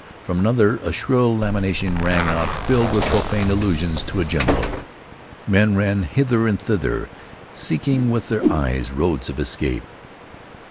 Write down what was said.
From another a shrill lamentation rang out filled with profane allusions to a general. Men ran hither and thither, seeking with their eyes roads of escape.